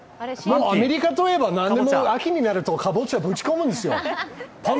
アメリカといえば何でも秋になればカボチャ、ぶち込むんですよ。